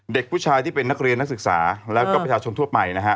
เด็กผู้ชายที่เป็นนักเรียนนักศึกษาแล้วก็ประชาชนทั่วไปนะฮะ